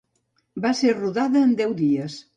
Va ser rodada en deu dies.